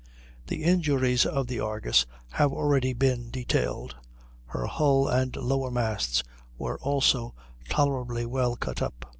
The injuries of the Argus have already been detailed; her hull and lower masts were also tolerably well cut up.